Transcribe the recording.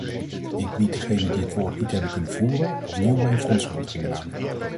Ik bied degenen die het woord niet hebben kunnen voeren, opnieuw mijn verontschuldigingen aan.